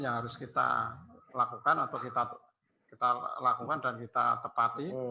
yang harus kita lakukan atau kita lakukan dan kita tepati